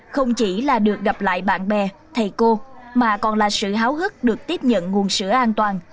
không chỉ là được gặp lại bạn bè thầy cô mà còn là sự háo hức được tiếp nhận nguồn sữa an toàn